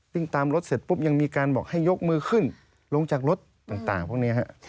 วิ่งตามรถเสร็จปุ๊บยังมีการบอกให้ยกมือขึ้นลงจากรถต่างพวกนี้ฮะ